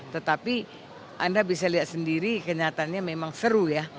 tetapi anda bisa lihat sendiri kenyataannya memang seru ya